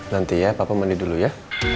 nanti ya papa mandi dulu ya